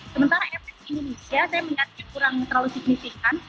sementara efek indonesia saya melihatnya kurang terlalu signifikan